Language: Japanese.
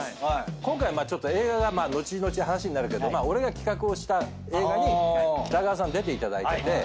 今回ちょっと映画が後々話になるけど俺が企画をした映画に北川さん出ていただいてて。